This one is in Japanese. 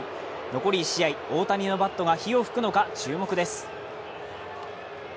残り１試合、大谷のバットが火を噴くのか注目です。